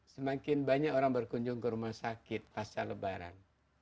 semakin banyak orang berkunjung ke rumah sakit pasca lebaran